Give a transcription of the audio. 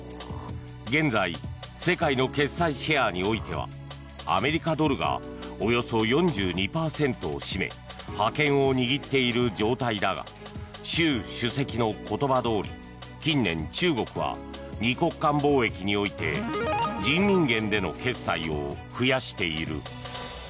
現在世界の決済シェアにおいてはアメリカドルがおよそ４２％を占め覇権を握っている状態だが習主席の言葉どおり近年、中国は二国間貿易において人民元での決済を増やしている。